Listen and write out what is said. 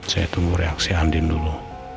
saya tunggu reaksi andin dulu